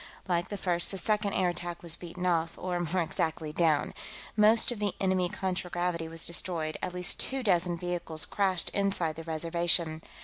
Like the first, the second air attack was beaten off, or, more exactly, down. Most of the enemy contragravity was destroyed; at least two dozen vehicles crashed inside the Reservation.